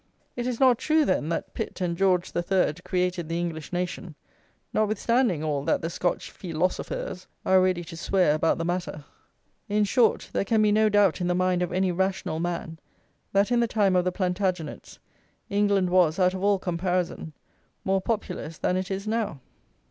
It is not true, then, that Pitt and George III. created the English nation, notwithstanding all that the Scotch feelosofers are ready to swear about the matter. In short, there can be no doubt in the mind of any rational man that in the time of the Plantagenets England was, out of all comparison, more populous than it is now.